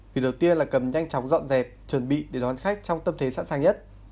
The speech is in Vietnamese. vì đầu tiên là cần nhanh chóng dọn dẹp chuẩn bị để đón khách trong tâm thế sẵn sàng nhất